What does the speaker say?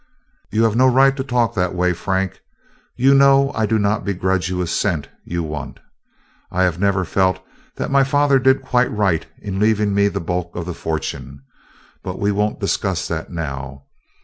"You have no right to talk that way, Frank; you know I do not begrudge a cent you want. I have never felt that my father did quite right in leaving me the bulk of the fortune; but we won't discuss that now.